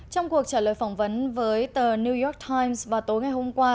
trong cuộc trả lời phỏng vấn với tờ new york times vào tối ngày hôm qua